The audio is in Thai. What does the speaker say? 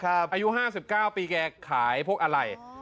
อายุห้าสิบเก้าปีแกขายพวกอะไร